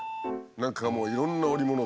何かもういろんな織物で。